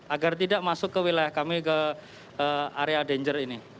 agar tidak masuk ke wilayah kami ke area danger ini